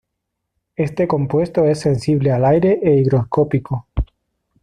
Este compuesto es sensible al aire e higroscópico.